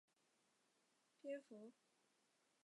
胼足蝠属等之数种哺乳动物。